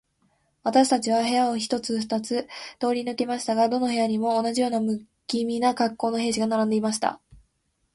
私たちは部屋を二つ三つ通り抜けましたが、どの部屋にも、同じような無気味な恰好の兵士が並んでいました。